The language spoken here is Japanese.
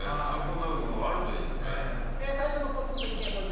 参考になるものがあるといいよね最初のポツンと一軒家